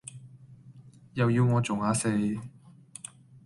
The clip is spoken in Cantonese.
又要我做呀四